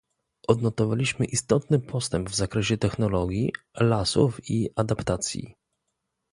Odnotowaliśmy istotny postęp w zakresie technologii, lasów i adaptacji